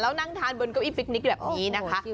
แล้วนั่งทานบนเก้าอี้ฟิกนิกแบบนี้นะคะ